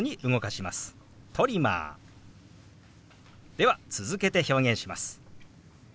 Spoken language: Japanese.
では続けて表現します。